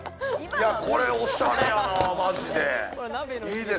おしゃれやなマジで。